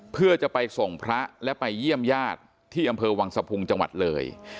เพื่อจะไปส่งพระและไปเยี่ยมญาติที่อำเภอวังสะพุงจังหวัดเลย